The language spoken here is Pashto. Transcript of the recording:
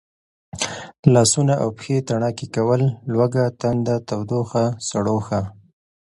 لاسونه او پښې تڼاکې کول، لوږه تنده، تودوخه، سړوښه،